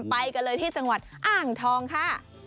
ไปกันเลยที่จังหวัดอ่างทองค่ะ